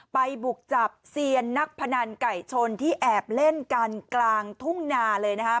บุกจับเซียนนักพนันไก่ชนที่แอบเล่นกันกลางทุ่งนาเลยนะคะ